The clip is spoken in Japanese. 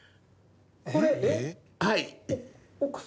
これえっ？